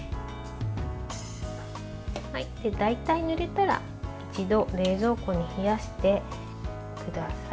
大体、塗れたら一度冷蔵庫で冷やしてください。